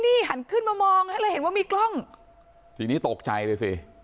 นี่หันขึ้นมามองให้เลยเห็นว่ามีกล้องทีนี้ตกใจเลยสิ